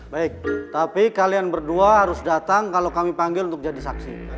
baik tapi kalian berdua harus datang kalau kami panggil untuk jadi saksi